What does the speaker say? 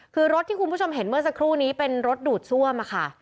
คือรถที่คุณผู้ชมเห็นเมื่อสักครู่นี้เป็นรถดูดซ่วมค่ะ